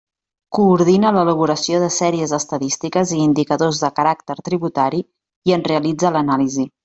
Coordina l'elaboració de sèries estadístiques i indicadors de caràcter tributari, i en realitza l'anàlisi.